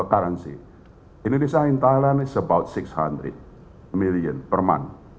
indonesia di thailand adalah sekitar enam ratus juta per bulan